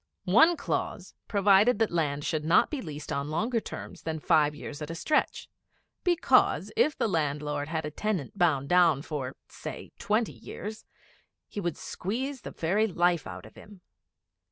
One clause provided that land should not be leased on longer terms than five years at a stretch; because, if the landlord had a tenant bound down for, say, twenty years, he would squeeze the very life out of him.